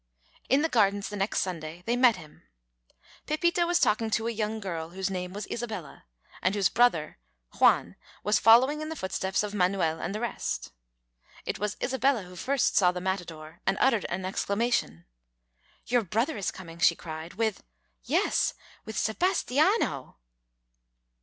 In the gardens the next Sunday they met him. Pepita was talking to a young girl whose name was Isabella, and whose brother. Juan was following in the footsteps of Manuel and the rest. It was Isabella who first saw the matador, and uttered an exclamation. "Your brother is coming," she cried, "with yes, with Sebastiano."